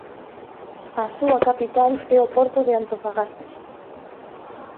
A súa capital é o porto de Antofagasta.